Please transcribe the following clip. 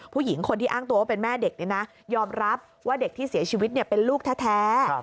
ผู้หญิงคนที่อ้างตัวว่าเป็นแม่เด็กยอมรับว่าเด็กที่เสียชีวิตเป็นลูกแท้